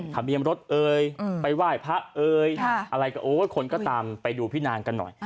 ทำเบียมรถเอ่ยไปว่ายพระเอ่ยคนก็ตามไปดูพี่นางกันหน่อย